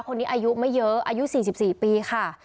อายุไม่เยอะอายุ๔๔ปีค่ะ